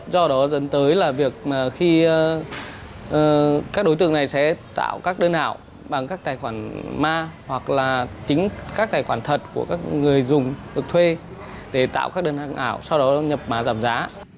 do đó dẫn tới là việc khi các đối tượng này sẽ tạo các đơn ảo bằng các tài khoản ma hoặc là chính các tài khoản thật của các người dùng được thuê để tạo các đơn ảo sau đó nhập mã giảm giá